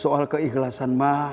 soal keikhlasan ma